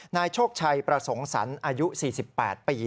นายโชคชัยประสงค์สรรค์อายุ๔๘ปี